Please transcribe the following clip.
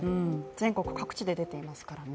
全国各地で出ていますからね。